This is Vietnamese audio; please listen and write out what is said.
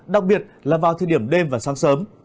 đặc biệt là vào thời điểm đêm và sáng sớm